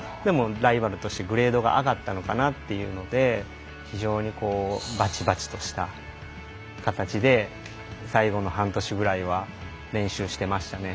ライバルとしてグレードが上がったのかなというので非常に、ばちばちとした形で最後の半年ぐらいは練習してましたね。